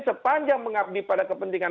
sepanjang mengabdi pada kepentingan